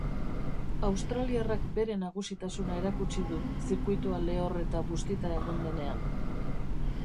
Australiarrak bere nagusitasuna erakutsi du zirkuitua lehor eta bustita egon denean.